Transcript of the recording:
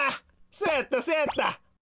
そうやったそうやった。